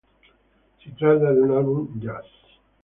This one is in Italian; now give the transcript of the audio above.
Si tratta di un album jazz.